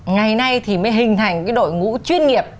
ngày nay thì mới hình thành cái đội ngũ chuyên nghiệp